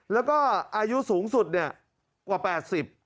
แล้วก็อายุสูงสุดเนี่ยกว่า๘๐